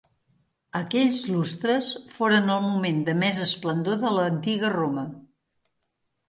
Aquells lustres foren el moment de més esplendor de l'antiga Roma.